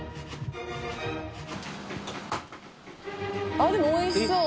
あっでもおいしそう！